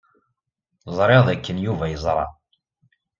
Ẓriɣ dakken Yuba yeẓra.